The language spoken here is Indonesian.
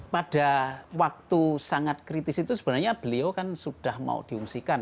pada waktu sangat kritis itu sebenarnya beliau kan sudah mau diungsikan